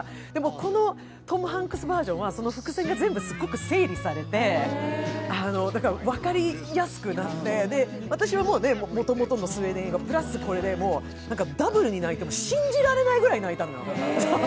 このトム・ハンクスバージョンはその伏線が整理されていて、分かりやすくなって、私はもうもともとのスウェーデン映画プラスこれでダブルに泣いて、信じられないくらい泣いたのよ。